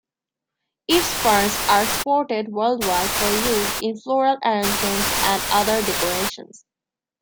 Its ferns are exported worldwide for use in floral arrangements and other decorations.